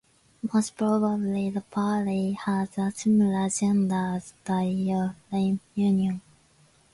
Most probably the party has a similar agenda as the Ephraim Union.